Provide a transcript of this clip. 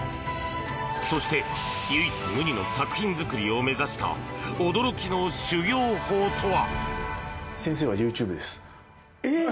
そして唯一無二の作品作りを目指した驚きの修業法とは？